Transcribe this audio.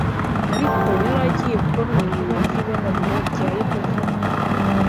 Ariko yari agiye kuba mu ihema ry’ibonaniro rya Yehova